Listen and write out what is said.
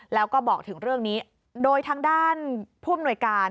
แล้วก็บอกถึงเรื่องนี้โดยทางด้านผู้อำนวยการ